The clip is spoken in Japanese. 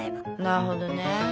なるほどね。